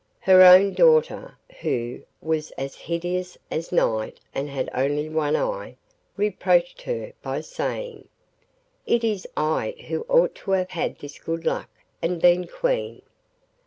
Her own daughter, who was as hideous as night and had only one eye, reproached her by saying, 'It is I who ought to have had this good luck and been Queen.